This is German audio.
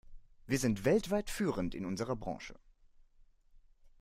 Wir sind weltweit führend in unserer Branche.